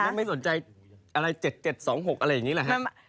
ไม่สนใจอะไร๗๗๒๖อะไรอย่างนี้แหละครับ